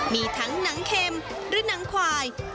มีทั้งหนังเข็มหรือหนังควาย